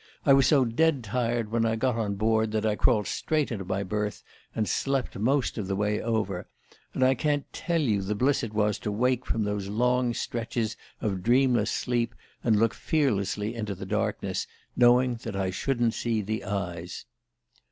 I was so dead tired when I got on board that I crawled straight into my berth, and slept most of the way over; and I can't tell you the bliss it was to wake from those long stretches of dreamless sleep and look fearlessly into the darkness, knowing that I shouldn't see the eyes